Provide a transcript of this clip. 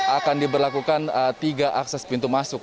akan diberlakukan tiga akses pintu masuk